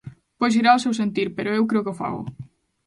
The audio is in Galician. Pois será o seu sentir, pero eu creo que o fago.